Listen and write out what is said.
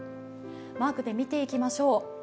マークで見ていきましょう。